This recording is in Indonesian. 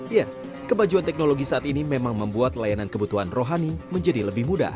ya kemajuan teknologi saat ini memang membuat layanan kebutuhan rohani menjadi lebih mudah